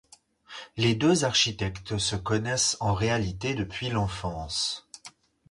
Les deux architectes se connaissent en réalité depuis l'enfance.